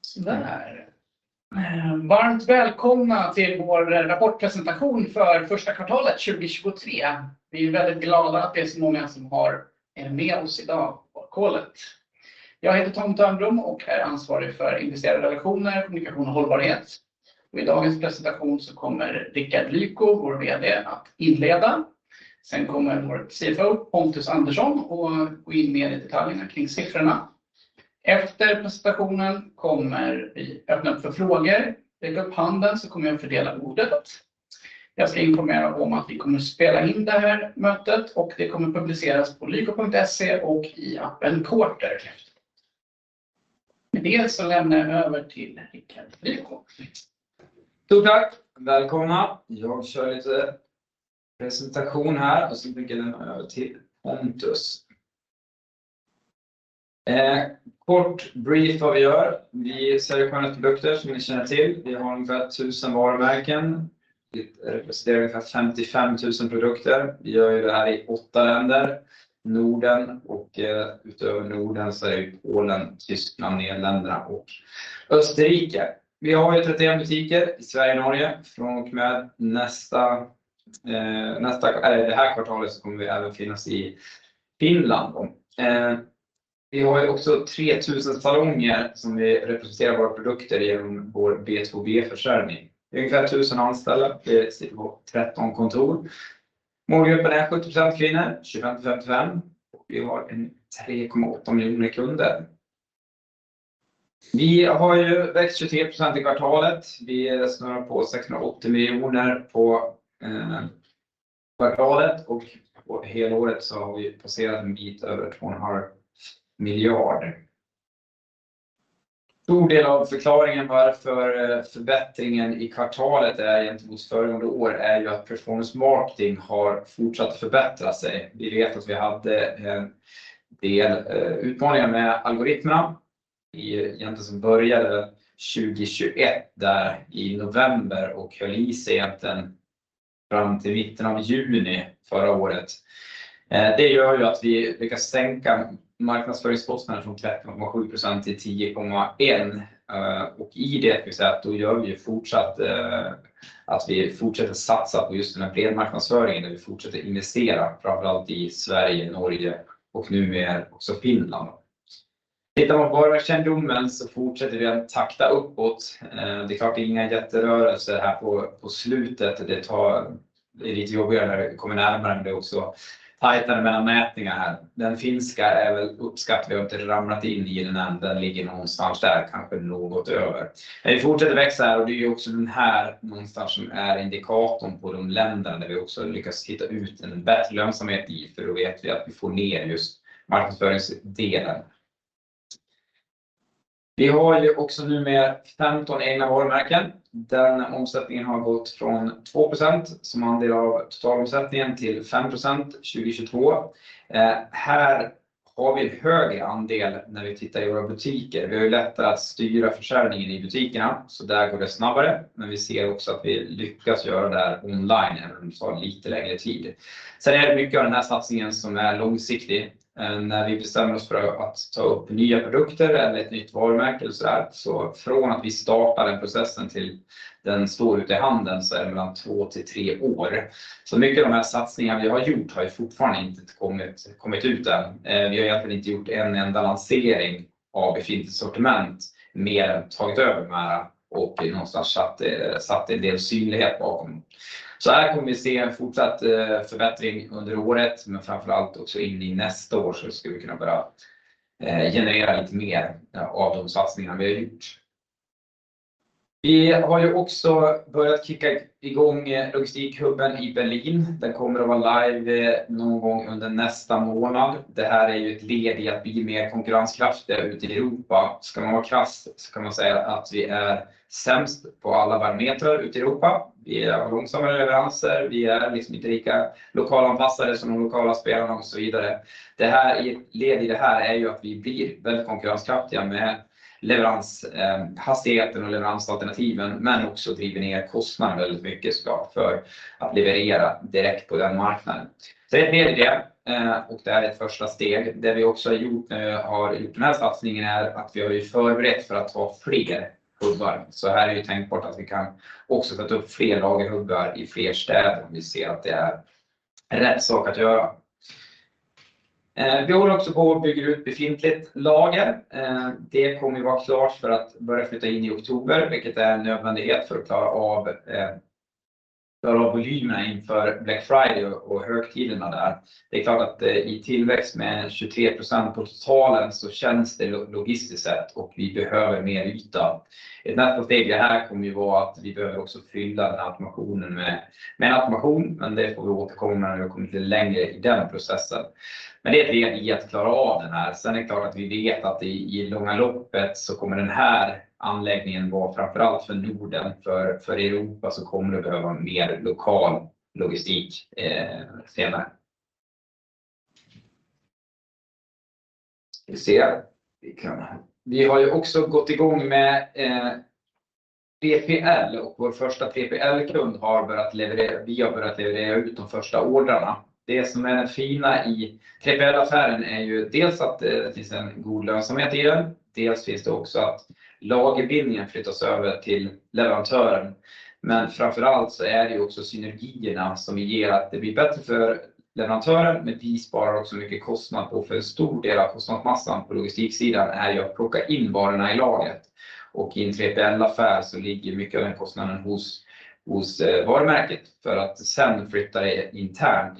Sådär. Varmt välkomna till vår rapportpresentation för första kvartalet 2023. Vi är väldigt glada att det är så många som har med oss i dag på callen. Jag heter Tom Thörnblom och är ansvarig för investerarrelationer, kommunikation och hållbarhet. I dagens presentation kommer Rickard Lyko, vår VD, att inleda. Kommer vår CFO Pontus Andersson att gå in mer i detaljerna kring siffrorna. Efter presentationen kommer vi öppna upp för frågor. Räck upp handen så kommer jag fördela ordet. Jag ska informera om att vi kommer att spela in det här mötet och det kommer publiceras på Lyko.se och i appen Quartr. Med det lämnar jag över till Rickard Lyko. Stort tack. Välkomna. Jag kör en liten presentation här och sen lägger jag den över till Pontus. Kort brief vad vi gör. Vi säljer skönhetsprodukter som ni känner till. Vi har ungefär 1,000 varumärken. Det representerar ungefär 55,000 produkter. Vi gör ju det här i 8 länder, Norden och utöver Norden så är det Polen, Tyskland, Nederländerna och Österrike. Vi har ju 35 butiker i Sverige och Norge. Från och med nästa, eller det här kvartalet så kommer vi även finnas i Finland då. Vi har ju också 3,000 salonger som vi representerar våra produkter igenom vår B2B-försäljning. Ungefär 1,000 anställda. Vi sitter på 13 kontor. Målgruppen är 70% kvinnor, 25-55 och vi har 3.8 miljoner kunder. Vi har ju växt 23% i kvartalet. Vi snurrar på SEK 680 million på kvartalet och på helåret så har vi passerat en bit över SEK 2.5 billion. En stor del av förklaringen varför förbättringen i kvartalet är gentemot föregående år är ju att performance marketing har fortsatt att förbättra sig. Vi vet att vi hade en del utmaningar med algoritmerna i, egentligen som började 2021, där i november och höll i sig egentligen fram till mitten av juni förra året. Det gör ju att vi lyckas sänka marknadsföringskostnaden från 13.7% till 10.1%. I det ska vi säga att då gör vi ju fortsatt att vi fortsätter satsa på just den här brand marketing där vi fortsätter investera, framför allt i Sverige, Norge och nu med också Finland. Tittar man på varumärkeskännedomen så fortsätter den takta uppåt. Det är klart det är inga jätterörelser här på slutet. Det är lite jobbigare när det kommer närmare. Det är också tajtare mellan mätningar här. Den finska är väl uppskattning. Vi har inte ramlat in i den än. Den ligger någonstans där, kanske något över. Vi fortsätter växa här och det är också den här någonstans som är indikatorn på de länderna där vi också lyckas hitta ut en bättre lönsamhet i, för då vet vi att vi får ner just marknadsföringsdelen. Vi har ju också nu med 15 egna varumärken. Den omsättningen har gått från 2% som andel av totalomsättningen till 5% 2022. Här har vi en högre andel när vi tittar i våra butiker. Vi har ju lättare att styra försäljningen i butikerna, så där går det snabbare. Vi ser också att vi lyckas göra det här online även om det tar lite längre tid. Det är mycket av den här satsningen som är långsiktig. När vi bestämmer oss för att ta upp nya produkter eller ett nytt varumärke eller sådär, så från att vi startar den processen till den står ute i handeln är det mellan två till tre år. Mycket av de här satsningarna vi har gjort har ju fortfarande inte kommit ut än. Vi har egentligen inte gjort en enda lansering av befintligt sortiment, mer tagit över märken och någonstans satt en del synlighet bakom. Här kommer vi att se en fortsatt förbättring under året, men framför allt också in i nästa år ska vi kunna börja generera lite mer av de satsningar vi har gjort. Vi har ju också börjat kicka igång logistikhubben i Berlin. Den kommer att vara live någon gång under nästa månad. Ett led i att bli mer konkurrenskraftiga ute i Europa. Ska man vara krass så kan man säga att vi är sämst på alla barometrar ute i Europa. Vi har långsammare leveranser, vi är liksom inte lika lokalanpassade som de lokala spelarna och så vidare. Ett led i det här är ju att vi blir väldigt konkurrenskraftiga med leverans hastigheten och leveransalternativen, men också driver ner kostnaden väldigt mycket för att leverera direkt på den marknaden. Det är ett led i det och det är ett första steg. Det vi också har gjort i den här satsningen är att vi har ju förberett för att ta fler hubbar. Här är det ju tänkbart att vi kan också sätta upp fler lagerhubbar i fler städer om vi ser att det är rätt sak att göra. Vi håller också på och bygger ut befintligt lager. Det kommer att vara klart för att börja flytta in i oktober, vilket är en nödvändighet för att klara av volymerna inför Black Friday och högtiderna där. Det är klart att i tillväxt med 23% på totalen så känns det logistiskt sett och vi behöver mer yta. Ett nästa steg i det här kommer ju vara att vi behöver också fylla den automationen med automation, men det får vi återkomma när vi har kommit lite längre i den processen. Det är ett led i att klara av den här. Sen är det klart att vi vet att i långa loppet så kommer den här anläggningen vara framför allt för Norden, för Europa så kommer det behöva mer lokal logistik senare. Ska vi se. Vi har ju också gått i gång med 3PL och vår första 3PL-kund har börjat leverera, vi har börjat leverera ut de första ordrarna. Det som är det fina i 3PL-affären är ju dels att det finns en god lönsamhet i den, dels finns det också att lagerbindningen flyttas över till leverantören. Framför allt så är det ju också synergierna som ger att det blir bättre för leverantören. Vi sparar också mycket kostnad och för en stor del av kostnadsmassan på logistiksidan är att plocka in varorna i lagret. I en 3PL-affär så ligger mycket av den kostnaden hos varumärket för att sen flytta det internt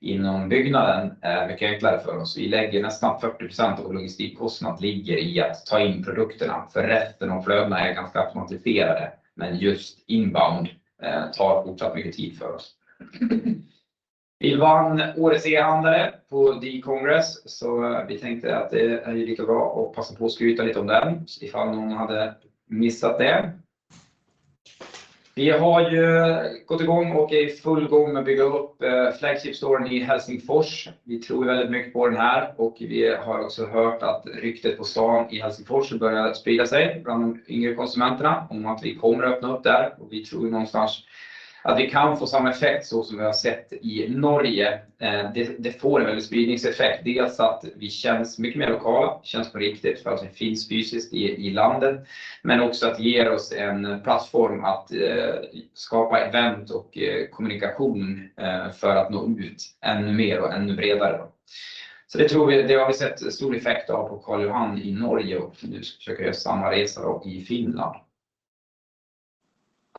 inom byggnaden är mycket enklare för oss. Vi lägger nästan 40% av vår logistikkostnad ligger i att ta in produkterna. Resten, de flödena är ganska automatiserade, men just inbound tar fortsatt mycket tid för oss. Vi vann årets e-handlare på D-Congress. Vi tänkte att det är lika bra att passa på att skryta lite om den ifall någon hade missat det. Vi har ju gått i gång och är i full gång med att bygga upp flagship store i Helsingfors. Vi tror väldigt mycket på den här och vi har också hört att ryktet på stan i Helsingfors börjar sprida sig bland de yngre konsumenterna om att vi kommer öppna upp där. Vi tror någonstans att vi kan få samma effekt så som vi har sett i Norge. Det får en väldig spridningseffekt. Dels att vi känns mycket mer lokala, känns på riktigt för att vi finns fysiskt i landet, men också att ge oss en plattform att skapa event och kommunikation för att nå ut ännu mer och ännu bredare då. Det tror vi, det har vi sett stor effekt av på Karl Johan i Norge, och nu ska vi försöka göra samma resa i Finland.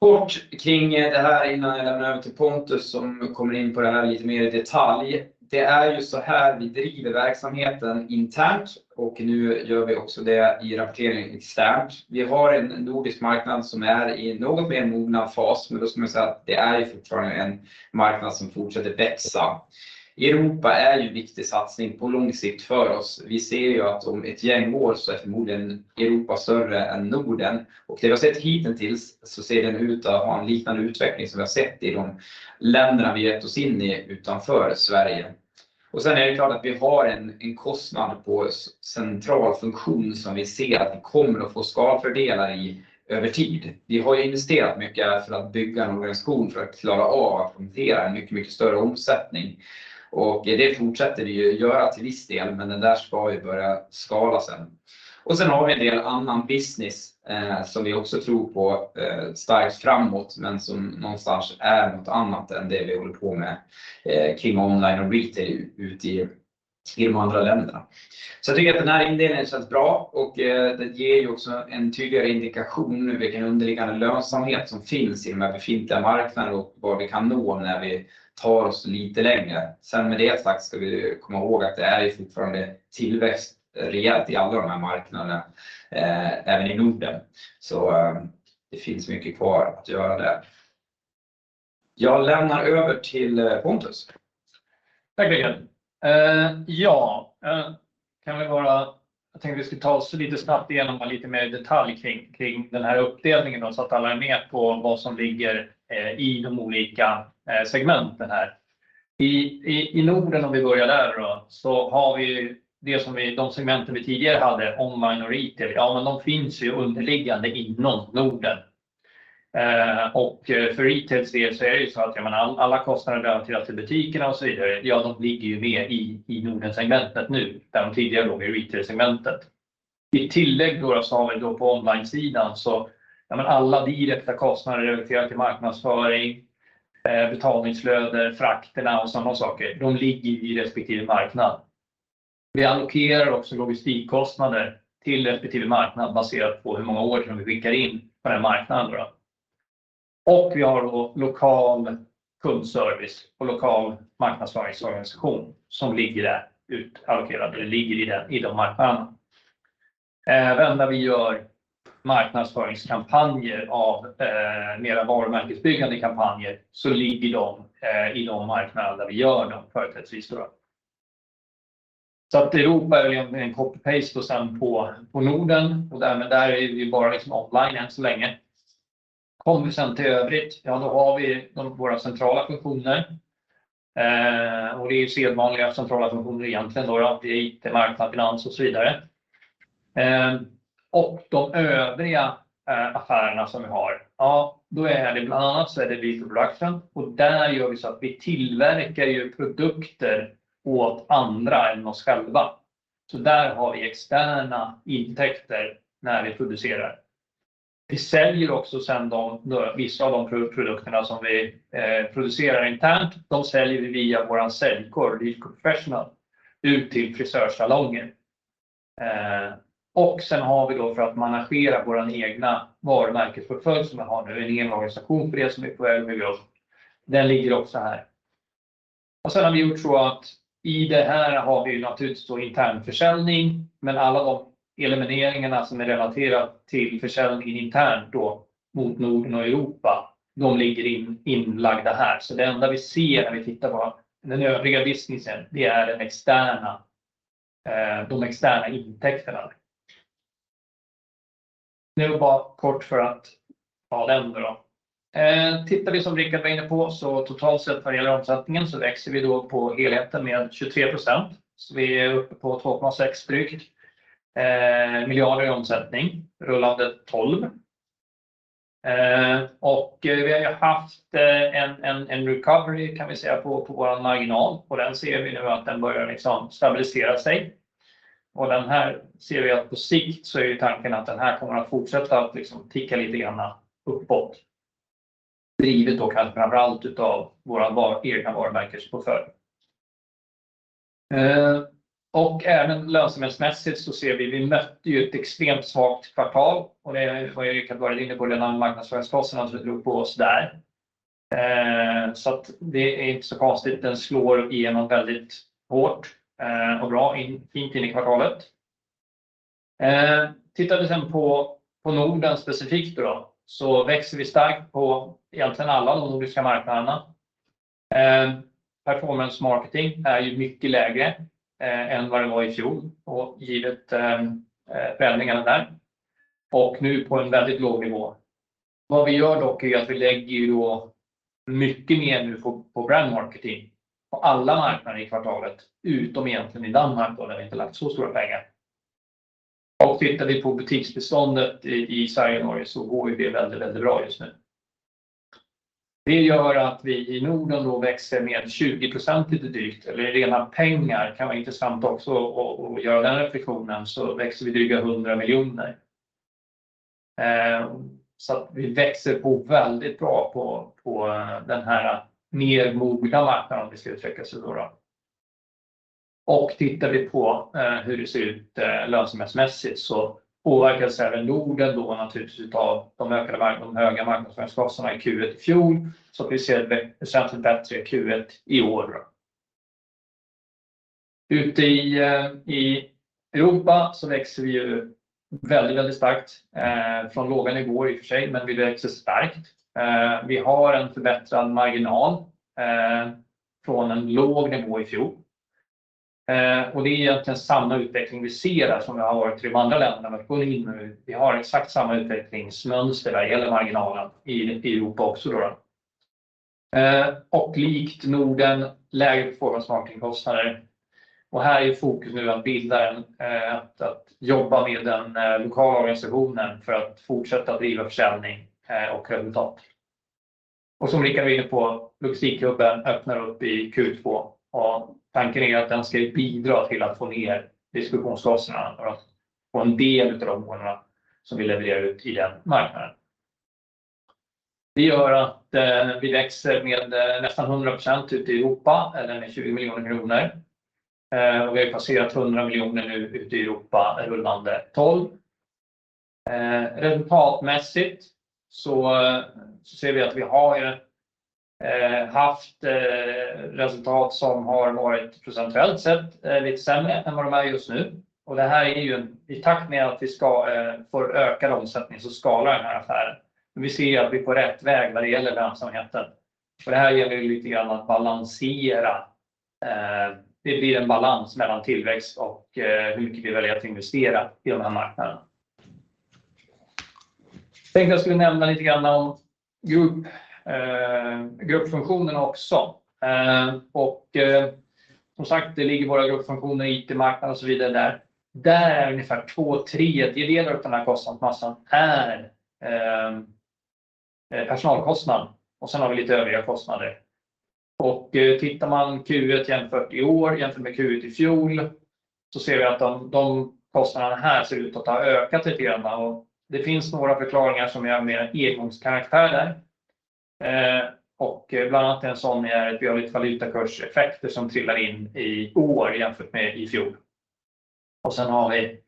Kort kring det här innan jag lämnar över till Pontus, som kommer in på det här lite mer i detalj. Det är ju såhär vi driver verksamheten internt, och nu gör vi också det i rapporteringen externt. Vi har en nordisk marknad som är i någon mer mogna fas, men då ska man säga att det är fortfarande en marknad som fortsätter växa. Europa är ju en viktig satsning på lång sikt för oss. Vi ser ju att om ett gäng år så är förmodligen Europa större än Norden. Det vi har sett hittills så ser den ut att ha en liknande utveckling som vi har sett i de länderna vi gett oss in i utanför Sverige. Sen är det klart att vi har en kostnad på central funktion som vi ser att vi kommer att få skalfördelar i över tid. Vi har investerat mycket för att bygga en organisation för att klara av att hantera en mycket större omsättning. Det fortsätter det ju att göra till viss del, men den där ska ju börja skala sen. Sen har vi en del annan business som vi också tror på starkt framåt, men som någonstans är något annat än det vi håller på med kring online och retail ut i de andra länderna. Jag tycker att den här indelningen känns bra och det ger ju också en tydligare indikation nu vilken underliggande lönsamhet som finns i de här befintliga marknaderna och vad vi kan nå när vi tar oss lite längre. Med det sagt ska vi komma ihåg att det är ju fortfarande tillväxt rejält i alla de här marknaderna, även i Norden. Det finns mycket kvar att göra där. Jag lämnar över till Pontus. Tack Mikael. Jag tänkte vi ska ta oss lite snabbt igenom lite mer detalj kring den här uppdelningen då så att alla är med på vad som ligger i de olika segmenten här. I Norden, om vi börjar där då, så har vi ju de segmenten vi tidigare hade, online och retail. De finns ju underliggande inom Norden. Och för retails del så är det ju så att alla kostnader relaterat till butikerna och så vidare, de ligger ju med i Nordensegmentet nu, där de tidigare låg i retailsegmentet. I tillägg då så har vi då på onlinesidan alla direkta kostnader relaterat till marknadsföring, betalningsflöden, frakterna och sådana saker, de ligger i respektive marknad. Vi allokerar också logistikkostnader till respektive marknad baserat på hur många order vi vinkar in på den marknaden då. Vi har då lokal kundservice och lokal marknadsföringsorganisation som ligger där utallokerat, eller ligger i de marknaderna. Även där vi gör marknadsföringskampanjer av mera varumärkesbyggande kampanjer så ligger de i de marknader där vi gör dem förutsettvis då. Europa är en copy paste då sen på Norden och där är vi bara liksom online än så länge. Kommer sen till övrigt. Då har vi våra centrala funktioner. Det är ju sedvanliga centrala funktioner egentligen då, det är IT, marknad, finans och så vidare. De övriga affärerna som vi har. Då är det bland annat så är det Lyko Production och där gör vi så att vi tillverkar ju produkter åt andra än oss själva. Där har vi externa intäkter när vi producerar. Vi säljer också sen de, vissa av de produkterna som vi producerar internt, de säljer vi via vår säljkår, Lyko Professional, ut till frisörsalongen. Sen har vi då för att managera vår egna varumärkesportfölj som vi har nu, en egen organisation för det som vi är på väg med då. Den ligger också här. Sen har vi gjort så att i det här har vi naturligtvis då intern försäljning, men alla de elimineringarna som är relaterat till försäljningen internt då mot Norden och Europa, de ligger inlagda här. Det enda vi ser när vi tittar på den övriga businessen, det är den externa, de externa intäkterna. Det var bara kort för att ta den då. Tittar vi som Rickard var inne på så totalt sett vad gäller omsättningen så växer vi då på helheten med 23%. Vi är uppe på SEK 2.6 drygt miljarder i omsättning, rullande tolv. Vi har ju haft en recovery kan vi säga på vår marginal och den ser vi nu att den börjar liksom stabilisera sig. Den här ser vi att på sikt så är tanken att den här kommer att fortsätta att liksom ticka lite grann uppåt. Drivet dock allra framför allt utav vår egna varumärkesportfölj. Även lönsamhetsmässigt så ser vi mötte ju ett extremt svagt kvartal och det har ju Rickard varit inne på med de här marknadsföringskostnaderna som drog på oss där. Det är inte så konstigt, den slår igenom väldigt hårt och bra in tid i kvartalet. Tittar vi sen på Norden specifikt växer vi starkt på egentligen alla de nordiska marknaderna. Performance marketing är ju mycket lägre än vad det var i fjol och givet förändringarna där och nu på en väldigt låg nivå. Vad vi gör dock är att vi lägger ju då mycket mer nu på brand marketing på alla marknader i kvartalet utom egentligen i Danmark då där vi inte lagt så stora pengar. Tittar vi på butiksbeståndet i Sverige och Norge så går ju det väldigt bra just nu. Det gör att vi i Norden då växer med 20% lite drygt. Eller i rena pengar kan vara intressant också att göra den reflektionen så växer vi dryga SEK 100 million. Vi växer på väldigt bra på den här mer mogna marknaden om vi ska uttrycka oss så då. Tittar vi på hur det ser ut lönsamhetsmässigt så påverkas även Norden då naturligtvis utav de ökade, de höga marknadsföringskostnaderna i Q1 i fjol. Vi ser ett väsentligt bättre Q1 i år då. Ute i Europa så växer vi ju väldigt starkt. Från låga nivåer i och för sig, vi växer starkt. Vi har en förbättrad marginal från en låg nivå i fjol. Det är egentligen samma utveckling vi ser där som vi har haft i de andra länderna. Kolla in nu, vi har exakt samma utvecklingsmönster vad det gäller marginalen i Europa också då. Likt Norden, lägre performance marketing-kostnader. Här är fokus nu att bilda en att jobba med den lokala organisationen för att fortsätta driva försäljning och resultat. Som Rickard var inne på, logistik-huben öppnar upp i Q2 och tanken är att den ska ju bidra till att få ner distributionskostnaderna och att få en del av de ordrarna som vi levererar ut igen på marknaden. Det gör att vi växer med nästan 100% ute i Europa, eller med 20 million kronor. Vi har passerat 100 million nu ute i Europa rullande tolv. Resultatmässigt så ser vi att vi har haft resultat som har varit procentuellt sett lite sämre än vad de är just nu. Det här är ju en, i takt med att vi ska får ökad omsättning så skalar den här affären. Vi ser ju att vi är på rätt väg när det gäller lönsamheten. Det här gäller ju lite grann att balansera. Det blir en balans mellan tillväxt och hur mycket vi väljer att investera i de här marknaderna. Tänkte jag skulle nämna lite grann om gruppfunktionen också. Som sagt, det ligger våra gruppfunktioner, IT, marknad och så vidare där. Där är ungefär two-thirds utav den här kostnadsmassan är personalkostnad och sen har vi lite övriga kostnader. Tittar man Q1 jämfört i år, jämfört med Q1 i fjol, så ser vi att de kostnaderna här ser ut att ha ökat lite grann. Det finns några förklaringar som är av mer engångskaraktär där. Bland annat en sådan är att vi har lite valutakurseffekter som trillar in i år jämfört med i fjol. Sen har vi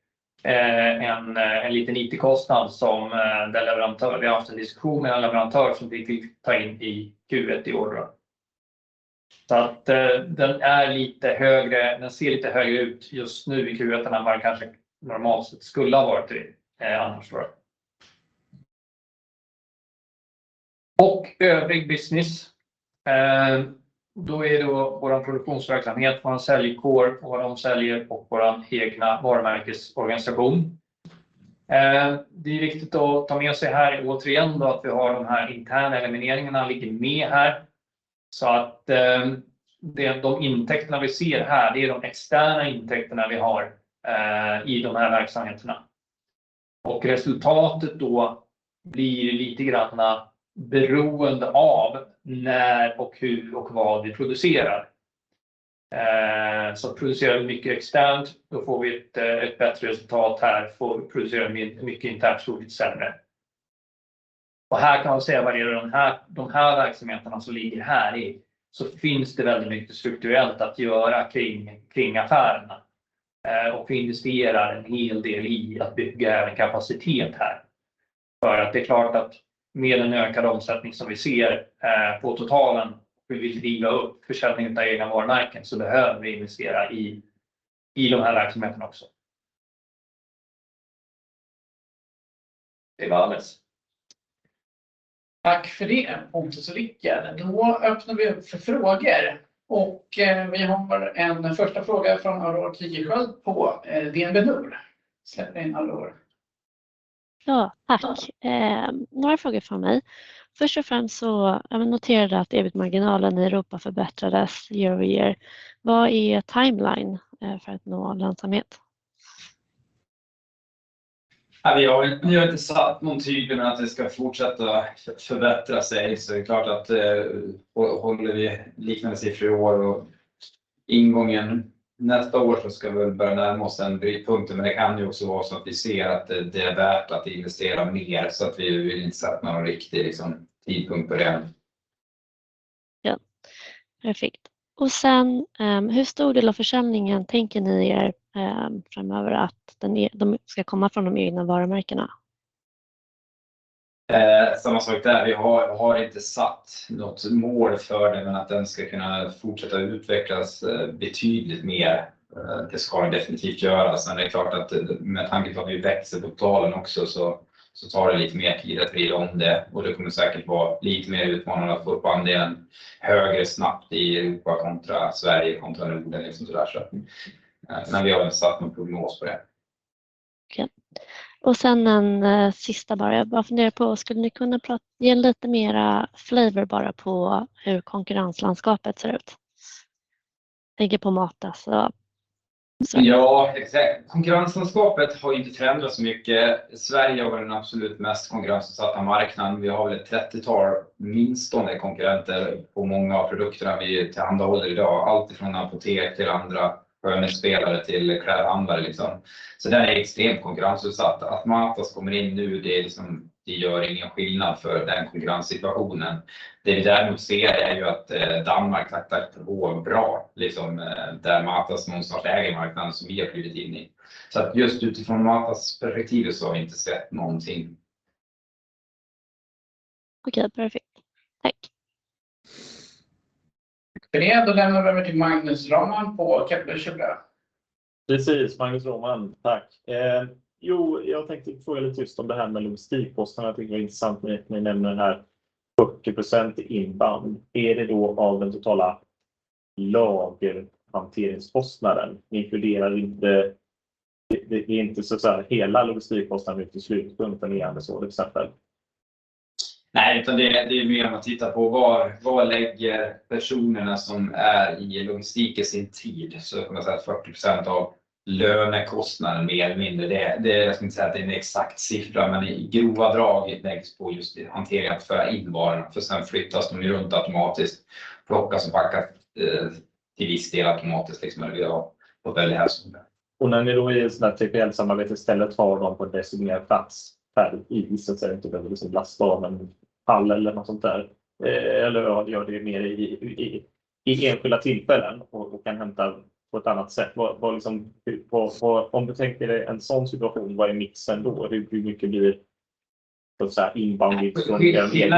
en liten IT-kostnad som vi har haft en diskussion med en leverantör som vi fick ta in i Q1 i år. Den är lite högre, den ser lite högre ut just nu i Q1 än vad den kanske normalt sett skulle ha varit annars. Övrig business. Då är det vår produktionsverksamhet, vår säljkår, våra omsäljer och vår egna varumärkesorganisation. Det är viktigt att ta med sig här återigen då att vi har de här interna elimineringarna ligger med här. De intäkterna vi ser här, det är de externa intäkterna vi har i de här verksamheterna. Resultatet då blir lite grann beroende av när och hur och vad vi producerar. Producerar vi mycket externt, då får vi ett bättre resultat här. Vi producerar mycket internt så blir det sämre. Här kan man säga vad det är de här verksamheterna som ligger här i, så finns det väldigt mycket strukturellt att göra kring affärerna. Vi investerar en hel del i att bygga även kapacitet här. Det är klart att med en ökad omsättning som vi ser på totalen, vi vill driva upp försäljningen av egna varumärken så behöver vi investera i de här verksamheterna också. Det var alles. Tack för det, Pontus och Rickard. Öppnar vi upp för frågor och vi har en första fråga från Aurore Tigerschiöld på DNB Markets. Släppa in Aurora. Ja tack. Några frågor från mig. Först och främst så jag noterade att EBIT-marginalen i Europa förbättrades year-over-year. Vad är timeline för att nå lönsamhet? Vi har inte satt någon tidpunkt att det ska fortsätta förbättra sig. Det är klart att håller vi liknande siffror i år och ingången nästa år så ska vi börja närma oss en brytpunkt. Det kan ju också vara så att vi ser att det är värt att investera mer så att vi inte satt någon riktig tidpunkt på det än. Ja, perfekt. Sen hur stor del av försäljningen tänker ni er framöver att den, de ska komma från de egna varumärkena? Samma sak där. Vi har inte satt något mål för det, men att den ska kunna fortsätta utvecklas betydligt mer. Det ska den definitivt göra. Det är klart att med tanke på att vi växer totalen också så tar det lite mer tid att vrida om det och det kommer säkert vara lite mer utmanande att få upp andelen högre snabbt i Europe kontra Sweden kontra Nordics sådär. Vi har inte satt någon prognos på det. Okay. En sista bara. Jag bara funderar på, skulle ni kunna ge lite mera flavor bara på hur konkurrenslandskapet ser ut? Tänker på Matas och... Konkurrenslandskapet har inte förändrats så mycket. Sverige har varit den absolut mest konkurrensutsatta marknaden. Vi har väl ett trettiotal, minst då, konkurrenter på många av produkterna vi tillhandahåller i dag. Allt ifrån apotek till andra skönhetsspelare till klädhandlare liksom. Den är extremt konkurrensutsatt. Matas kommer in nu, det liksom, det gör ingen skillnad för den konkurrenssituationen. Det vi däremot ser är ju att Danmark faktiskt går bra, liksom, där Matas någonstans äger marknaden som vi har flytt in i. Just utifrån Matas perspektivet så har vi inte sett någonting. Okay, perfect. Thanks! Då lämnar vi över till Magnus Råman på Kepler Cheuvreux. Precis, Magnus Råman. Tack. Jag tänkte fråga lite just om det här med logistikkostnaderna. Det tycker jag är intressant att ni nämner den här 70% inbound. Är det då av den totala lagerhanteringskostnaden? Ni inkluderar inte såhär hela logistikkostnaden till slutkunden är det så till exempel? Det är mer om att titta på var lägger personerna som är i logistiken sin tid? Kan man säga att 40% av lönekostnaden mer eller mindre. Jag ska inte säga att det är en exakt siffra, men i grova drag läggs på just hantering att föra in varorna. Flyttas de ju runt automatiskt, plockas och packas till viss del automatiskt, liksom, och väldigt häst. När ni då i ett sådant här 3PL-samarbete istället har dem på en designated plats där i huset så att säga, inte behöver lastarmen, pall eller något sånt där. Ja, gör det mer i enskilda tillfällen och kan hämta på ett annat sätt. Vad liksom, om du tänker dig en sådan situation, vad är mixen då? Hur mycket blir såhär inbound mix från... Skillnaden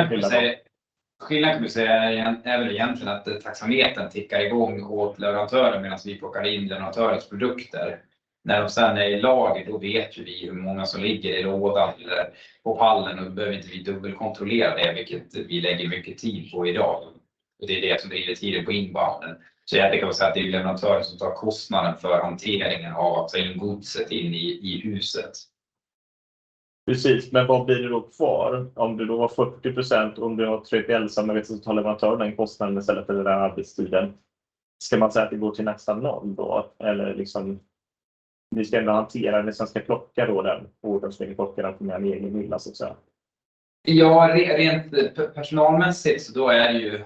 skulle jag säga är väl egentligen att taxametern tickar i gång åt leverantören medans vi plockar in leverantörens produkter. När de sedan är i lager, då vet ju vi hur många som ligger i lådan eller på pallen och behöver inte vi dubbelkontrollera det, vilket vi lägger mycket tid på i dag. Det är det som driver tider på inbounden. Jag kan väl säga att det är leverantören som tar kostnaden för hanteringen av att ta in godset in i huset. Precis, vad blir det då kvar? If you then have 40%, if you have TPL collaboration, the supplier takes that cost instead or that working time. Should one say that it goes to almost zero then? liksom, you still have to handle the one who will then pick that order that you pick from your own shelf, so to speak. Rent personalmässigt, så då är det ju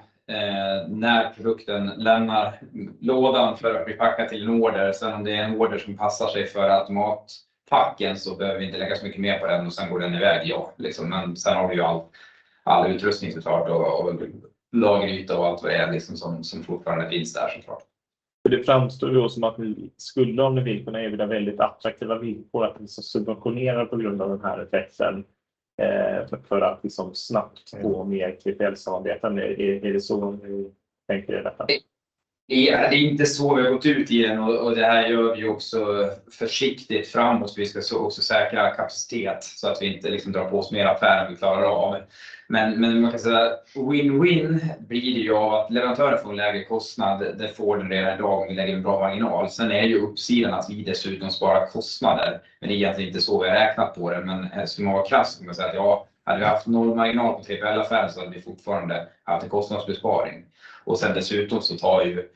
när produkten lämnar lådan för att bli packad till en order. Om det är en order som passar sig för automatpacken så behöver vi inte lägga så mycket mer på den och sen går den i väg, ja, liksom. Har du ju allt, all utrustning så klart och lageryta och allt vad det är liksom som fortfarande finns där så klart. Det framstår ju då som att ni skulle under villkorna erbjuda väldigt attraktiva villkor att ni subventionerar på grund av den här effekten för att liksom snabbt få mer TPL-samarbeten. Är det så ni tänker er detta? Det är inte så vi har gått ut igen och det här gör vi också försiktigt framåt. Vi ska också säkra kapacitet så att vi inte liksom drar på oss mer affärer än vi klarar av. Man kan säga win-win blir det ju att leverantörer får en lägre kostnad. Det får de redan i dag med en bra marginal. Sen är ju uppsidan att vi dessutom sparar kostnader. Det är egentligen inte så vi har räknat på det. Ska man vara krass kan man säga att ja, hade vi haft noll marginal på TPL-affären så hade vi fortfarande haft en kostnadsbesparing. Och sen dessutom så tar ju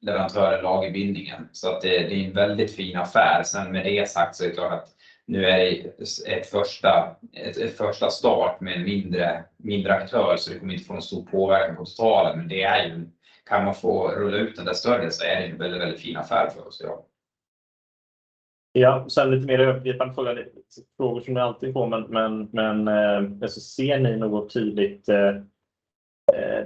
leverantören lagerbindningen. Så att det är en väldigt fin affär. Med det sagt så är det klart att nu är det ett första start med en mindre aktör, så det kommer inte få någon stor påverkan på totalen. Det är ju, kan man få rulla ut den där större så är det en väldigt fin affär för oss att ha. Sen lite mer övergripande frågor som jag alltid får, men ser ni någon tydlig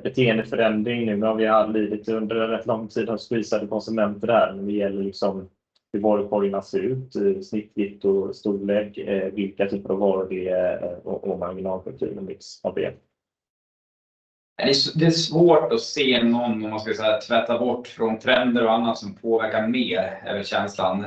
beteendeförändring nu när vi har lidit under en rätt lång tid av prisade konsumenter där när det gäller liksom hur varukorgarna ser ut, snittgitt och storlek, vilka typer av varor det är och marginal på det och mix av det? Det är svårt att se någon, om man ska säga, tvätta bort från trender och annat som påverkar mer är väl känslan.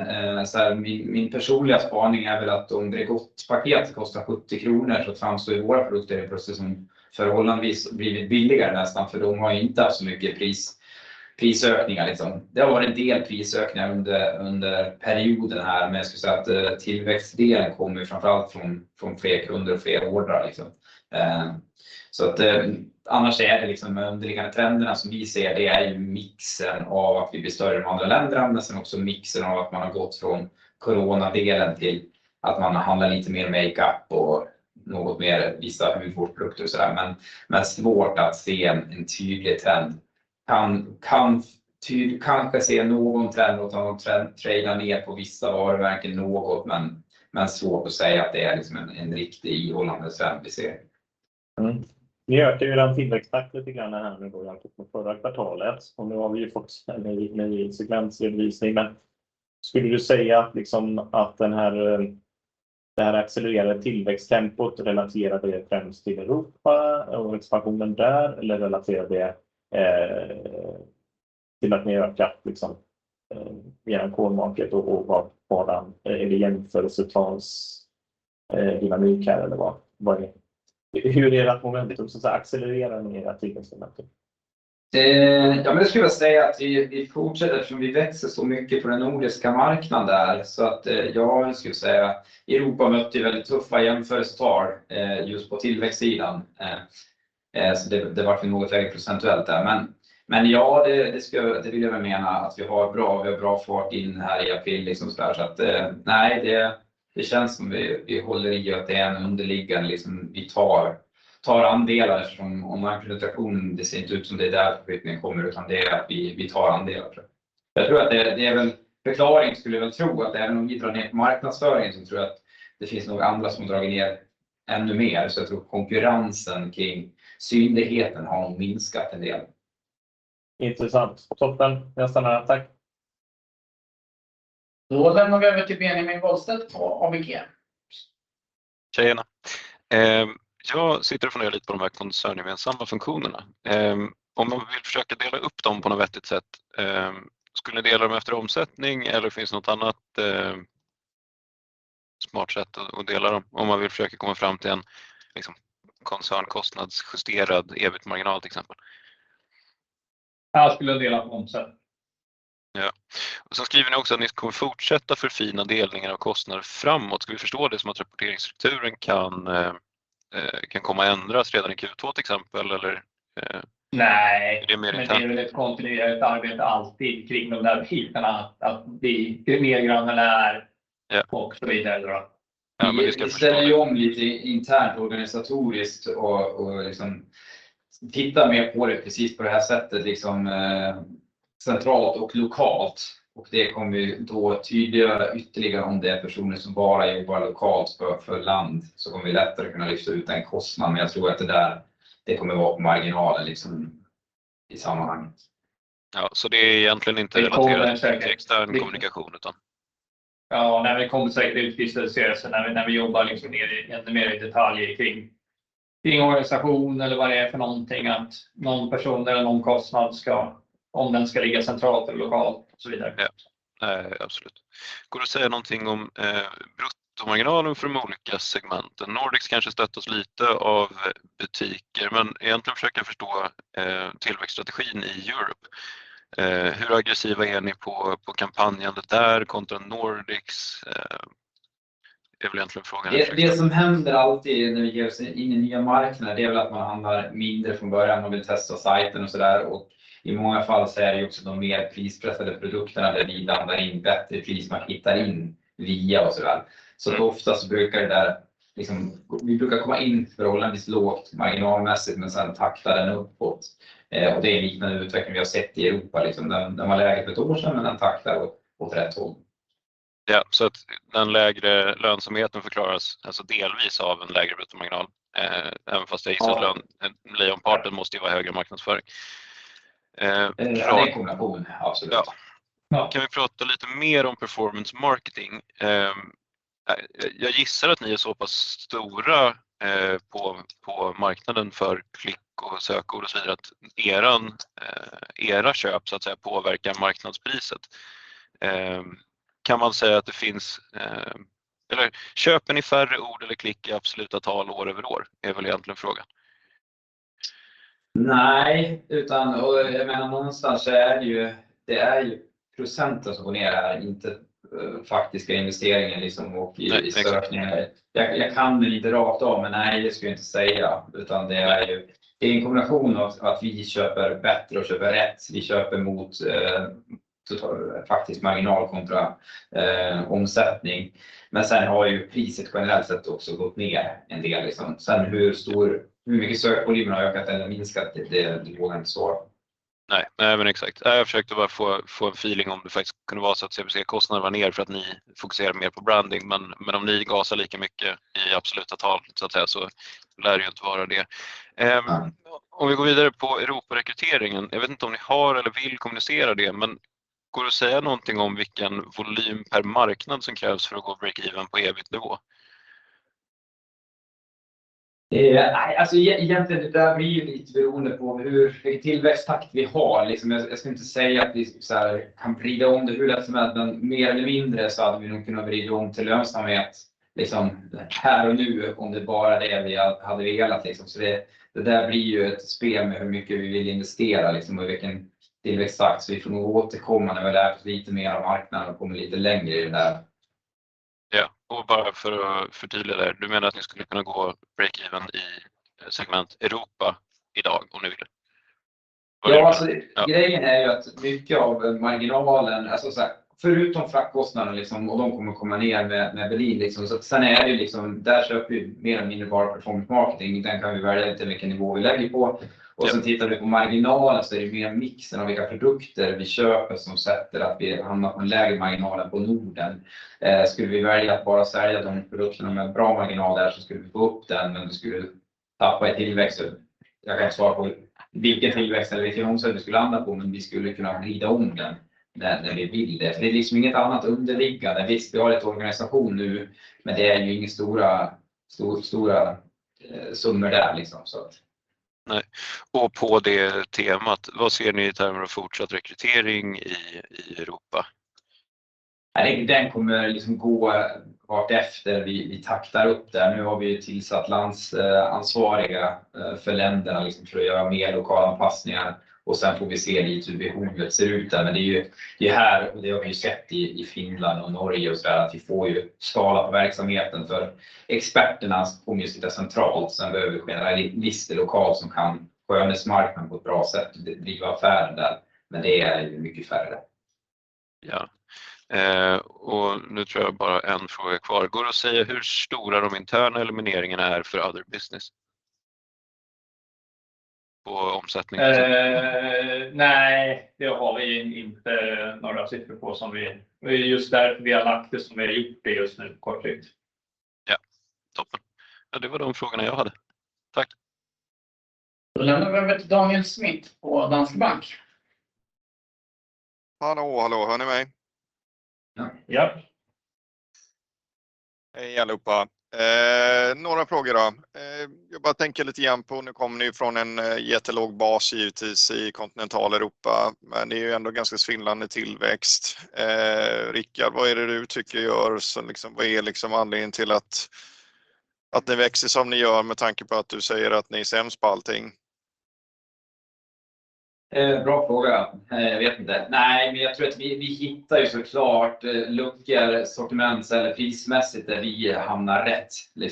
Min personliga spaning är väl att om det godspaket kostar 70 kronor så framstår våra produkter plötsligt som förhållandevis blivit billigare nästan, för de har ju inte haft så mycket prisökningar liksom. Det har varit en del prisökningar under perioden här. Jag skulle säga att tillväxtdelen kommer framför allt från fler kunder och fler ordrar liksom. Annars är det liksom de underliggande trenderna som vi ser, det är ju mixen av att vi blir större i de andra länderna, men sen också mixen av att man har gått från coronadelen till att man handlar lite mer makeup och något mer vissa hudvårdsprodukter och sådär. Svårt att se en tydlig trend. Kanske se någon trend åt någon trend, trenda ner på vissa varumärken något, men svårt att säga att det är liksom en riktig ihållande trend vi ser. Mm. Ni ökar ju eran tillväxttakt lite grann här nu då jämfört med förra kvartalet. Nu har vi ju fått en ny segmentredovisning. Skulle du säga liksom att den här, det här accelererade tillväxttempot relaterar det främst till Europa och expansionen där? Eller relaterar det till att ni har ökat liksom eran core market och vad den, är det jämförelsetalsdynamik här eller vad är det? Hur är det att momentum, så att säga accelererar ni era tillväxtmomentum? Det skulle jag säga att vi fortsätter eftersom vi växer så mycket på den nordiska marknaden där. Jag skulle säga Europa mötte ju väldigt tuffa jämförelsetal just på tillväxtsidan. Det vart nog något lägre procentuellt där. Ja, det skulle, det vill jag väl mena att vi har bra fart in här i april liksom sådär. Nej, det känns som vi håller i att det är en underliggande, liksom vi tar andelar eftersom om marknadspenetration, det ser inte ut som det är där förskjutningen kommer, utan det är att vi tar andelar tror jag. Jag tror att det är väl förklaring skulle jag väl tro att även om vi drar ner på marknadsföringen så tror jag att det finns nog andra som drar ner ännu mer. Jag tror konkurrensen kring synligheten har minskat en del. Intressant. Toppen. Jag stannar där. Tack. Lämnar vi över till Benjamin Bolseth på ABG. Tjenare. jag sitter och funderar lite på de här koncerngemensamma funktionerna. Om man vill försöka dela upp dem på något vettigt sätt, skulle ni dela dem efter omsättning eller finns något annat, smart sätt att dela dem? Om man vill försöka komma fram till en, liksom, koncernkostnadsjusterad EBIT-marginal till exempel. Jag skulle dela på omsättning. Ja. Skriver ni också att ni kommer fortsätta förfina delningen av kostnader framåt. Ska vi förstå det som att rapporteringsstrukturen kan komma att ändras redan i Q2 till exempel? Eller? Nej, det är ett kontinuerligt arbete alltid kring de där bitarna att vi, ju mer grann det är och så vidare då. Vi ställer ju om lite internt, organisatoriskt och liksom tittar mer på det precis på det här sättet, liksom centralt och lokalt. Det kommer ju då tydliggöra ytterligare om det är personer som bara jobbar lokalt för land. Kommer vi lättare kunna lyfta ut den kostnaden. Jag tror att det där, det kommer vara på marginalen liksom i sammanhanget. Ja, det är egentligen inte relaterat till extern kommunikation, utan... Det kommer säkert utkristallisera sig när vi, när vi jobbar liksom ner i ännu mer i detalj kring organisation eller vad det är för någonting. Att någon person eller någon kostnad ska, om den ska ligga centralt eller lokalt och så vidare. Nej, absolut. Går det att säga någonting om bruttomarginalen för de olika segmenten? Nordics kanske stöttas lite av butiker, men egentligen försöker jag förstå tillväxtstrategin i Europe. Hur aggressiva är ni på kampanjandet där kontra Nordics? Är väl egentligen frågan jag försöker. Det som händer alltid när vi ger oss in i nya marknader, det är väl att man handlar mindre från början. Man vill testa sajten och sådär. I många fall så är det ju också de mer prispressade produkterna där vi landar in bättre pris man hittar in via och sådär. Oftast så brukar det där liksom, vi brukar komma in för att hålla en viss lågt marginalmässigt, men sen taktar den uppåt. Det är en liknande utveckling vi har sett i Europa liksom. Den var lägre för 1 år sedan, men den taktar åt rätt håll. Den lägre lönsamheten förklaras alltså delvis av en lägre bruttomarginal. Jag gissar att lejonparten måste ju vara högre marknadsföring. Det är en kombination, absolut. Ja. Kan vi prata lite mer om performance marketing? jag gissar att ni är så pass stora, på marknaden för klick och sökord och så vidare att eran, era köp så att säga påverkar marknadspriset. köper ni färre ord eller klick i absoluta tal year-over-year? Är väl egentligen frågan. Nej, och jag menar, någonstans så är det ju, det är ju procenten som går ner här, inte faktiska investeringar liksom och i sökningar. Jag kan det inte rakt av, men nej, det skulle jag inte säga. Det är ju, det är en kombination av att vi köper bättre och köper rätt. Vi köper mot totalt faktisk marginal kontra omsättning. Sen har ju priset generellt sett också gått ner en del liksom. Hur stor, hur mycket sökvolymen har ökat eller minskat? Det vågar jag inte svara på. Nej, nej men exakt. Jag försökte bara få en feeling om det faktiskt kunde vara så att CPC-kostnaden var ner för att ni fokuserar mer på branding. Om ni gasar lika mycket i absoluta tal så att säga, så lär det ju inte vara det. Om vi går vidare på Europarekryteringen. Jag vet inte om ni har eller vill kommunicera det, men går det att säga någonting om vilken volym per marknad som krävs för att gå break even på EBIT-nivå? nej, egentligen, det där blir ju lite beroende på hur vilken tillväxttakt vi har. Liksom jag skulle inte säga att vi såhär kan vrida om det hur lätt som helst, men mer eller mindre så hade vi nog kunnat vrida om till lönsamhet, liksom här och nu om det är bara det vi hade velat. det där blir ju ett spel med hur mycket vi vill investera och vilken tillväxttakt. vi får nog återkomma när vi lärt oss lite mer av marknaden och kommit lite längre i det där. Ja, bara för att förtydliga det. Du menar att ni skulle kunna gå break even i segment Europa i dag om ni ville? Grejen är ju att mycket av marginalen, alltså såhär, förutom fraktkostnaden liksom och de kommer att komma ner med Berlin liksom. Är det ju liksom, där köper vi mer av minimal performance marketing. Den kan vi välja lite vilken nivå vi lägger på. Tittar vi på marginalen så är det mer mixen av vilka produkter vi köper som sätter att vi hamnat på en lägre marginal än på Norden. Skulle vi välja att bara sälja de produkterna med bra marginal där så skulle vi få upp den. Vi skulle tappa i tillväxt. Jag kan inte svara på vilken tillväxt eller vilken omsättning vi skulle landa på, men vi skulle kunna vrida om den när vi vill det. Det är liksom inget annat underliggande. Visst, vi har lite organisation nu, men det är ju inget stora summor där liksom så. Nej, och på det temat, vad ser ni i termen av fortsatt rekrytering i Europa? Den kommer liksom gå vartefter vi taktar upp det. Nu har vi tillsatt landsansvariga för länderna liksom för att göra mer lokalanpassningar sen får vi se lite hur behovet ser ut där. Det är här och det har vi sett i Finland och Norge och sådär att vi får ju skala på verksamheten för experterna får ju sitta centralt. Vi behöver generera listor lokalt som kan sköta marknaden på ett bra sätt, driva affären där. Det är ju mycket färre. Ja. Nu tror jag bara en fråga är kvar. Går det att säga hur stora de interna elimineringarna är för other business? På omsättning. Nej, det har vi inte några siffror på. Det är just därför vi har lagt det som vi har gjort det just nu på kort sikt. Ja, toppen. Det var de frågorna jag hade. Tack. Då lämnar vi över till Daniel Schmidt på Danske Bank. Hallå, hallå, hör ni mig? Ja. Hej allihopa. Några frågor då. Jag bara tänker lite grann på, nu kommer ni från en jättelåg bas givetiskt i kontinentala Europa, men det är ändå ganska svindlande tillväxt. Rickard, vad är det du tycker gör? Vad är liksom anledningen till att ni växer som ni gör med tanke på att du säger att ni är sämst på allting? Bra fråga. Jag vet inte. Jag tror att vi hittar ju så klart luckor, sortiment eller prismässigt där vi hamnar rätt. Det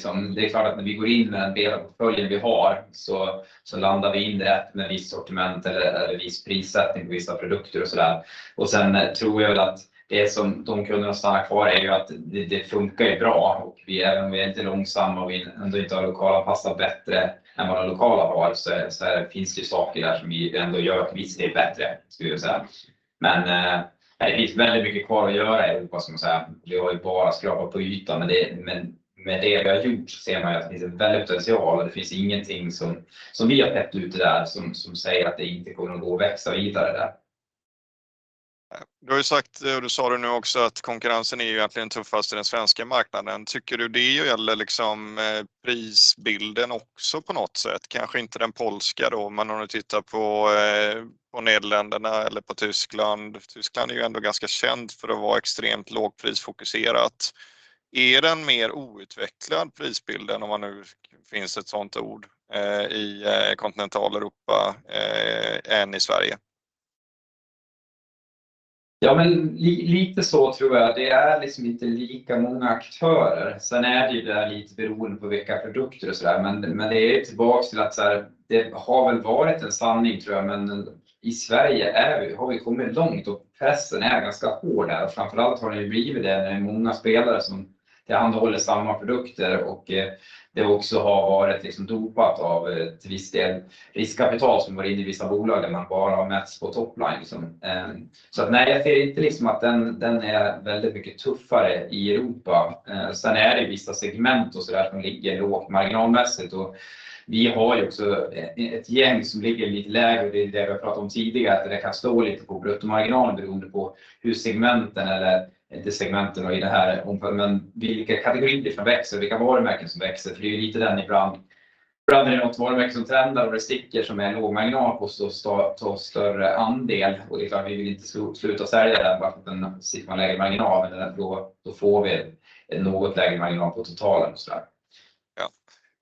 är klart att när vi går in med den del av portföljen vi har så landar vi in rätt med visst sortiment eller viss prissättning på vissa produkter och sådär. Jag tror att det som de kunderna stannar kvar är att det funkar ju bra. Vi även om vi är inte långsamma och vi ändå inte har lokalanpassat bättre än vad den lokala har, finns det saker där som vi ändå gör och visst, det är bättre skulle jag säga. Det finns väldigt mycket kvar att göra i Europa så att säga. Vi har ju bara skrapat på ytan. Med det vi har gjort så ser man ju att det finns en väldig potential och det finns ingenting som vi har peppt ut där som säger att det inte kommer att gå att växa vidare där. Du har ju sagt, du sa det nu också att konkurrensen är egentligen tuffast i den svenska marknaden. Tycker du det gäller liksom prisbilden också på något sätt? Kanske inte den polska då, men om du tittar på Nederländerna eller på Tyskland. Tyskland är ju ändå ganska känt för att vara extremt lågprisfokuserat. Är den mer outvecklad prisbilden, om vad nu finns ett sådant ord, i kontinentala Europa än i Sverige? Lite så tror jag. Det är inte lika många aktörer. Det är det här lite beroende på vilka produkter. Det är tillbaka till att det har varit en sanning tror jag. I Sverige har vi kommit långt och pressen är ganska hård där. Framför allt har det blivit det. Det är många spelare som tillhandahåller samma produkter och det också har varit dopat av till viss del riskkapital som går in i vissa bolag där man bara har mätt på top line. Nej, jag ser inte att den är väldigt mycket tuffare i Europa. Det är vissa segment som ligger lågmarginalmässigt. Vi har också ett gäng som ligger lite lägre. Det är det vi pratade om tidigare, att det kan stå lite på bruttomarginalen beroende på hur segmenten eller inte segmenten i det här, men vilka kategorier det växer, vilka varumärken som växer. Det är lite den ibland. Ibland är det något varumärke som trendar och det sticker som är lågmarginal och står ta större andel. Det är klart, vi vill inte sluta sälja den bara för att den sticker på en lägre marginal. Då får vi något lägre marginal på totalen sådär.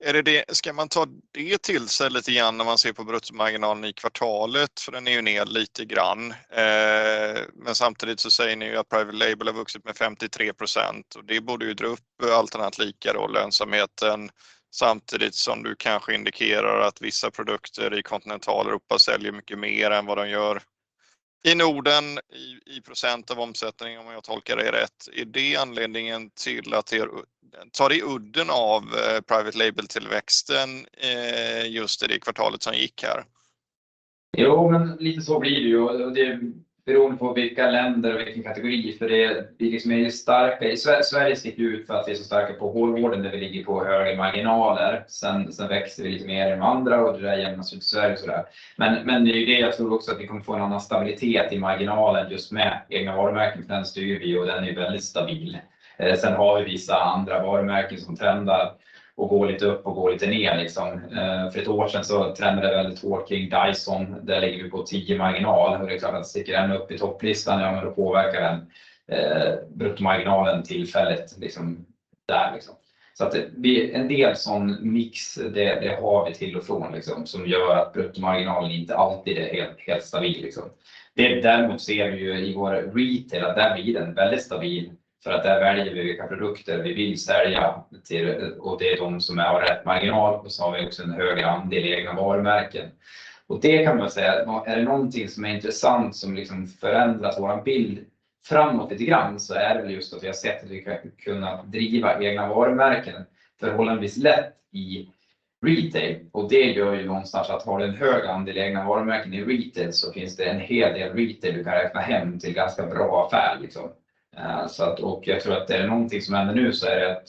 Ja, är det det? Ska man ta det till sig lite grann när man ser på bruttomarginalen i kvartalet? Den är ju ner lite grann. Samtidigt säger ni ju att private label har vuxit med 53%. Det borde ju dra upp allt annat lika då lönsamheten. Samtidigt som du kanske indikerar att vissa produkter i kontinentala Europa säljer mycket mer än vad de gör i Norden i procent av omsättning, om jag tolkar det rätt. Är det anledningen till att Tar det udden av private label-tillväxten just i det kvartalet som gick här? Lite så blir det ju. Det beror på vilka länder och vilken kategori. Det, vi liksom är ju starka. I Sweden stick ut för att vi är så starka på hårvård när vi ligger på högre marginaler. Växer vi lite mer än de andra och det där jämnas ut i Sweden sådär. Det är ju det jag tror också att vi kommer få en annan stabilitet i marginalen just med egna varumärken. Den styr vi och den är väldigt stabil. Vi har vissa andra varumärken som trendar och går lite upp och går lite ner liksom. Ett år sedan så trendade väldigt hårt kring Dyson. Det ligger ju på 10-margin. Det är klart att sticker en upp i topplistan. Det påverkar den bruttomarginalen tillfälligt liksom. Där liksom. Det, vi en del sån mix, det har vi till och från liksom som gör att bruttomarginalen inte alltid är helt stabil, liksom. Däremot ser vi ju i vår retail att där blir den väldigt stabil, för att där väljer vi vilka produkter vi vill sälja till, och det är de som har rätt marginal, och så har vi också en högre andel i egna varumärken. Det kan man säga, är det någonting som är intressant som liksom förändrar vår bild framåt lite grann, så är det just att vi har sett att vi kan kunna driva egna varumärken förhållandevis lätt i retail. Det gör ju någonstans att har du en hög andel egna varumärken i retail, så finns det en hel del retail du kan räkna hem till ganska bra affär, liksom. Jag tror att det är någonting som händer nu, så är det att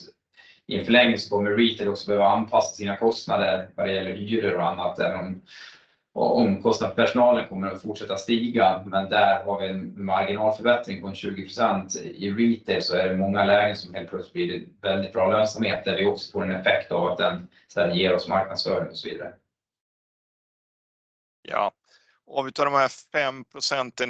i en förlängning så kommer retail också behöva anpassa sina kostnader vad det gäller hyror och annat, även om kostnaden personalen kommer att fortsätta stiga. Där har vi en marginalförbättring på en 20% i retail, så är det många lägen som helt plötsligt blir väldigt bra lönsamhet där vi också får en effekt av att den ger oss marknadsföring och så vidare. Ja, om vi tar de här 5 percentage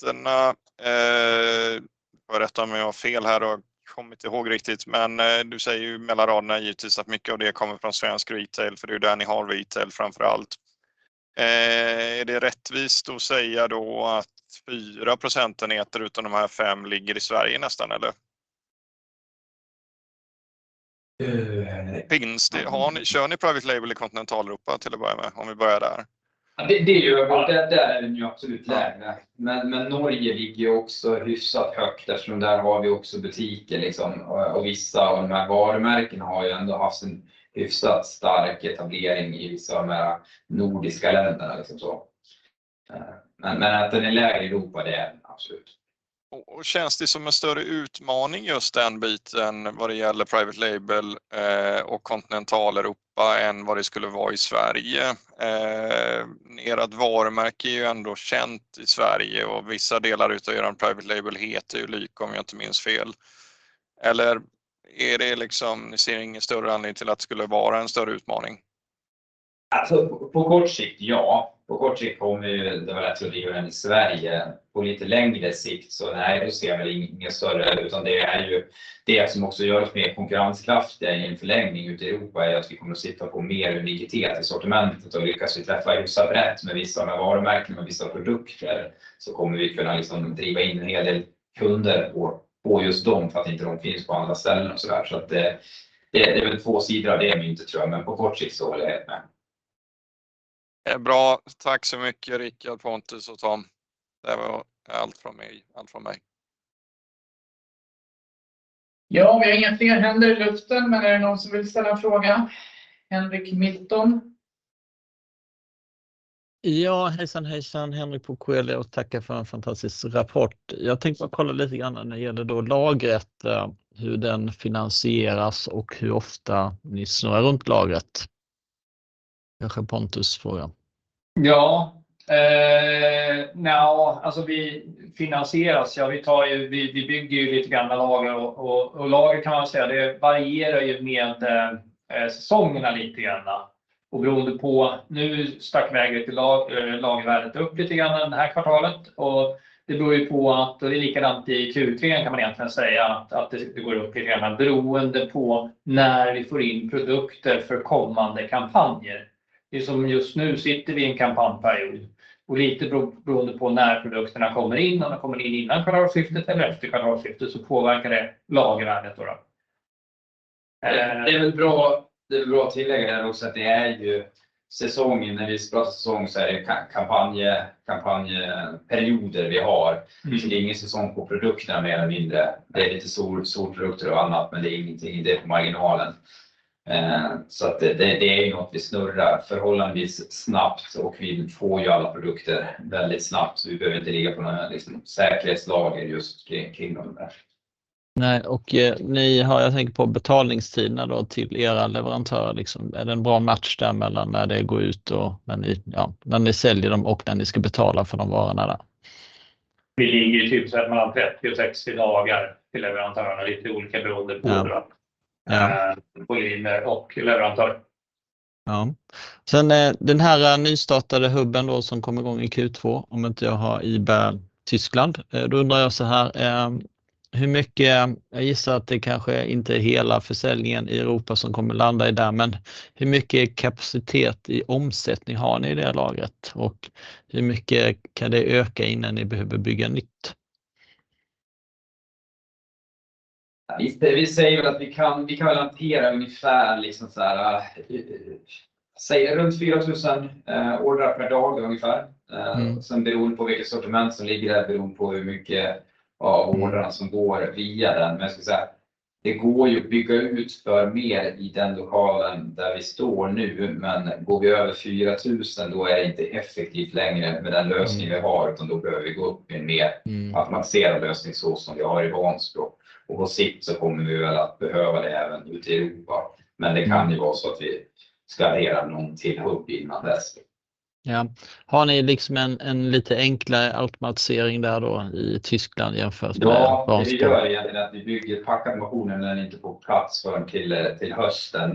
points. Korrigera mig om jag har fel här, har kommit ihåg riktigt, men du säger ju mellan raderna givetvis att mycket av det kommer från svensk retail, för det är ju där ni har retail framför allt. Är det rättvist att säga då att 4 percentage points utav de här 5 ligger i Sverige nästan, eller? Finns det, har ni, kör ni private label i Kontinentaleuropa till att börja med om vi börjar där? Det gör vi. Där är den ju absolut lägre. Norge ligger ju också hyfsat högt eftersom där har vi också butiken liksom. Vissa av de här varumärken har ju ändå haft en hyfsat stark etablering i vissa av de här nordiska länderna liksom så. Att den är lägre i Europa, det är den absolut. Känns det som en större utmaning just den biten vad det gäller private label, och Kontinentaleuropa än vad det skulle vara i Sverige? Erat varumärke är ju ändå känt i Sverige och vissa delar utav eran private label heter ju Lyko om jag inte minns fel. Är det liksom ni ser ingen större anledning till att det skulle vara en större utmaning? På kort sikt, ja. På kort sikt har vi ju det här att driva den i Sverige. På lite längre sikt så nej, då ser jag väl ingen större, utan det är ju det som också gör oss mer konkurrenskraftiga i en förlängning ute i Europa är att vi kommer att sitta på mer unikitet i sortimentet och lyckas vi träffa hyfsat brett med vissa av varumärken och vissa produkter, så kommer vi kunna liksom driva in en hel del kunder på just dem för att inte de finns på andra ställen och så där. Det, det är väl två sidor av det myntet tror jag, men på kort sikt så håller jag med. Det är bra. Tack så mycket, Rickard, Pontus och Tom. Det var allt från mig. Allt från mig. Vi har ingenting händer i luften, är det någon som vill ställa en fråga? Henrik Milton. Ja, hejsan, Henrik på Coeli och tackar för en fantastisk rapport. Jag tänkte bara kolla lite grann när det gäller då lagret, hur den finansieras och hur ofta ni snurrar runt lagret? Kanske Pontus frågar. Ja, alltså, vi finansieras. Ja, vi tar ju, vi bygger ju lite grann lagren och lagret kan man väl säga, det varierar ju med säsongerna lite grann. Beroende på, nu stack vi ägre till lagervärdet upp lite granna det här kvartalet. Det beror ju på att, det är likadant i Q3 kan man egentligen säga, att det går upp lite grann beroende på när vi får in produkter för kommande kampanjer. Liksom, just nu sitter vi i en kampanjperiod och lite beroende på när produkterna kommer in. Om de kommer in innan kalendarskiftet eller efter kalendarskiftet så påverkar det lagret då. Det är väl bra, det är bra att tillägga det också. Det är ju säsong, när vi pratar säsong så är det kampanjperioder vi har. Det är ingen säsong på produkterna mer eller mindre. Det är lite sol, solprodukter och annat, men det är inget, det är på marginalen. Så att det är ju något vi snurrar förhållandevis snabbt och vi får ju alla produkter väldigt snabbt. Så vi behöver inte ligga på den här liksom säkerhetslagret just kring de där. Nej, ni har jag tänker på betalningstiderna då till era leverantörer. Är det en bra match där mellan när det går ut och när ni, ja, när ni säljer dem och när ni ska betala för de varorna där? Vi ligger typ mellan 30 och 60 dagar till leverantörerna. Lite olika beroende på volymer och leverantör. Ja. Den här nystartade hubben då som kom i gång i Q2, om inte jag har ibland Tyskland. Undrar jag såhär. Hur mycket, jag gissar att det kanske inte är hela försäljningen i Europa som kommer landa i där, men hur mycket kapacitet i omsättning har ni i det lagret? Hur mycket kan det öka innan ni behöver bygga nytt? Vi säger väl att vi kan väl hantera ungefär runt 4,000 ordrar per dag ungefär. Beroende på vilket sortiment som ligger där, beroende på hur mycket ordrar som går via den. Jag skulle säga det går ju att bygga ut för mer i den lokalen där vi står nu. Går vi över 4,000, då är det inte effektivt längre med den lösning vi har, utan då behöver vi gå upp i en mer automatiserad lösning så som vi har i Vansbro. På sikt så kommer vi väl att behöva det även ute i Europa. Det kan ju vara så att vi skaderar någon till hub innan dess. Har ni liksom en lite enklare automatisering där då i Tyskland jämfört med Vansbro? Det vi gör egentligen är att vi bygger packautomation men den är inte på plats förrän till hösten.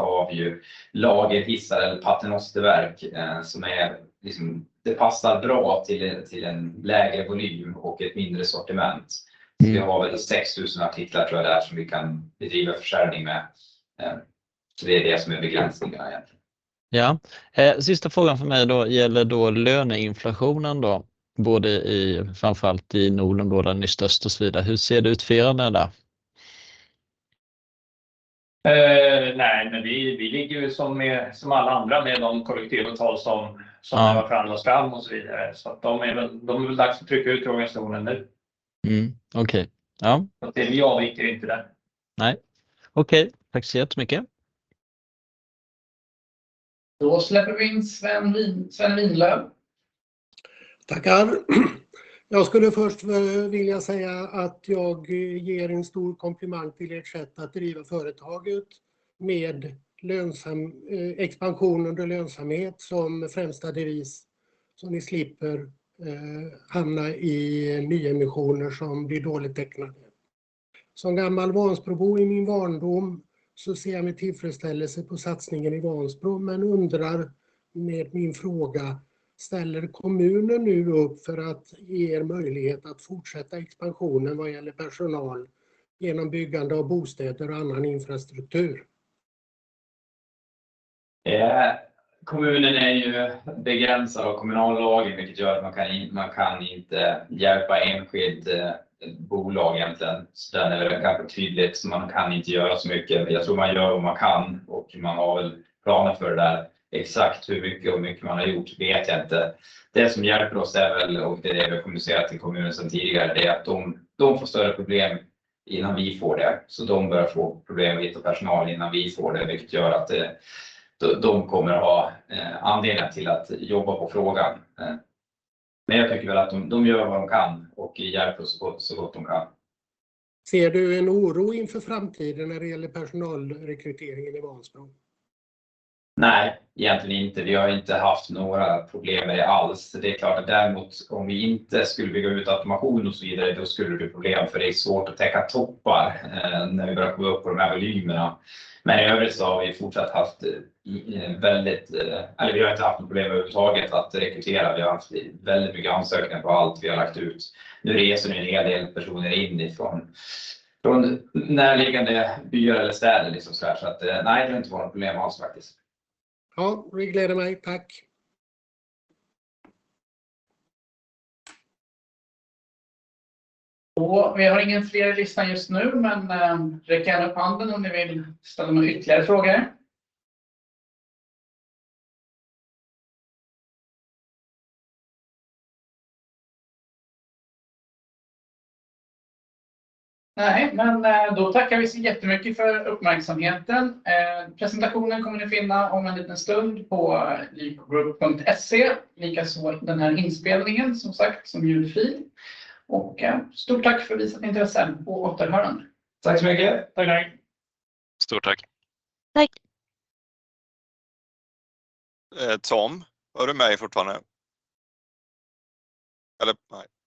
Har vi ju lagerhissar eller paternosterverk som är, det passar bra till en lägre volym och ett mindre sortiment. Vi har väl 6,000 artiklar tror jag det är som vi kan bedriva försäljning med. Det är det som är begränsningarna egentligen. Ja, sista frågan för mig då gäller då löneinflationen då, både i framför allt i Norden, både Nystart och så vidare. Hur ser det ut för er där då? Vi ligger ju som alla andra med de kollektivavtal som var förhandlas fram och så vidare. De är väl dags att trycka ut organisationen nu. Mm. Okay, yes. Vi avviker inte där. Nej, okej, tack så jättemycket. släpper vi in Sven Winlöf. Tackar. Jag skulle först vilja säga att jag ger en stor kompliment till ert sätt att driva företaget med lönsam expansion under lönsamhet som främsta devis som ni slipper hamna i nyemissioner som blir dåligt tecknade. Som gammal Vansbrobo i min barndom så ser jag med tillfredsställelse på satsningen i Vansbro, men undrar med min fråga, ställer kommunen nu upp för att ge er möjlighet att fortsätta expansionen vad gäller personal igenom byggande av bostäder och annan infrastruktur? Kommunen är ju begränsad av kommunallagen, vilket gör att man kan inte hjälpa enskilt bolag egentligen. Den är väl kanske tydligt så man kan inte göra så mycket. Jag tror man gör vad man kan och man har väl planer för det där. Exakt hur mycket och mycket man har gjort vet jag inte. Det som hjälper oss är väl, och det är det vi har kommunicerat till kommunen sedan tidigare, det är att de får större problem innan vi får det. De börjar få problem att hitta personal innan vi får det, vilket gör att de kommer att ha anledningen till att jobba på frågan. Jag tycker väl att de gör vad de kan och hjälper oss så gott de kan. Ser du en oro inför framtiden när det gäller personalrekryteringen i Vansbro? Nej, egentligen inte. Vi har inte haft några problem med det alls. Det är klart att däremot, om vi inte skulle bygga ut automation och så vidare, då skulle det problem för det är svårt att täcka toppar när vi börjar komma upp på de här volymerna. I övrigt så har vi fortsatt haft väldigt, eller vi har inte haft problem överhuvudtaget att rekrytera. Vi har haft väldigt mycket ansökningar på allt vi har lagt ut. Nu reser det en hel del personer in ifrån, från närliggande byar eller städer liksom såhär. Nej, det har inte varit problem alls faktiskt. Ja, det gläder mig. Tack. Vi har ingen fler i listan just nu, men räck gärna upp handen om ni vill ställa några ytterligare frågor. Tackar vi så jättemycket för uppmärksamheten. Presentationen kommer ni att finna om en liten stund på lykogroup.se. Likaså den här inspelningen som sagt, som ljudfil. Stort tack för visat intresse och på återhörande. Tack så mycket. Tack, tack. Stort tack. Tack. Tom, var du med fortfarande? Nej.